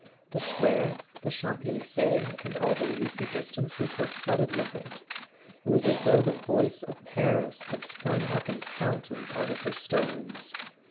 The square, the Champs Elysees and all the leafy distances were flooded with it: it was as though the voice of Paris had sprung up in fountains out of her stones.